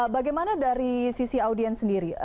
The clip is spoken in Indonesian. bagaimana dari sisi audiens sendiri